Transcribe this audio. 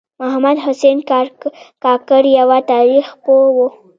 محمد حسن کاکړ یوه تاریخ پوه و .